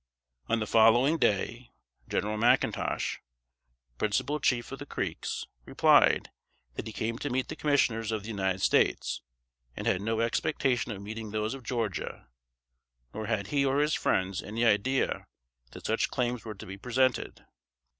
On the following day, General McIntosh, principal chief of the Creeks, replied, that he came to meet the commissioners of the United States, and had no expectation of meeting those of Georgia; nor had he or his friends any idea that such claims were to be presented.